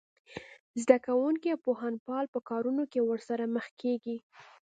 زده کوونکي او پوهنپال په کارونه کې ورسره مخ کېږي